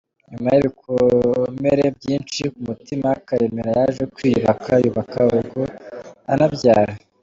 Nyuma y’ibikomere byinshi ku mutima, Karemera yaje kwiyubaka, yubaka urugo aranabyara.